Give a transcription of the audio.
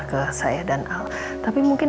ke saya dan al tapi mungkin